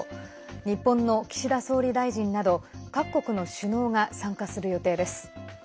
日本の岸田総理大臣など各国の首脳が参加する予定です。